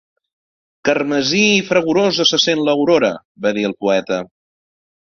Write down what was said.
"Carmesí i fragorosa se sent l'aurora", va dir el poeta.